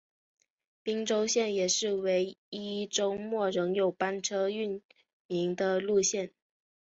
宾州线也是唯一周末仍有班车营运的路线。